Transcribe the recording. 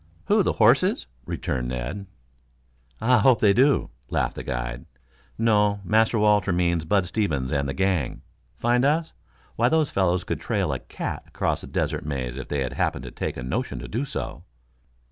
"Who, the horses?" returned Ned. "I hope they do," laughed the guide. "No; Master Walter means Bud Stevens and the gang. Find us? Why, those fellows could trail a cat across the Desert Maze if they happened to take a notion to do so."